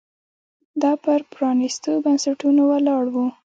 دا پر پرانېستو بنسټونو ولاړ و